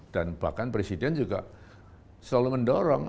dan bahkan presiden juga selalu mendorong